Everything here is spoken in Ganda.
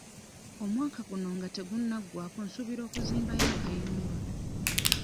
Omwaka guno nga tegunnaggwako nsuubira okuzimbayo akayumba.